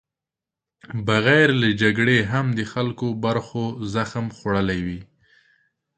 بغیر له جګړې هم د خلکو برخو زخم خوړلی وي.